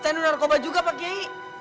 tenu narkoba juga pak kiai